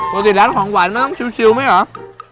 ปกติร้านของหวานมันเชียวมั้ยหรอ